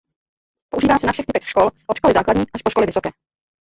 Používá se na všech typech škol od školy základní až po školy vysoké.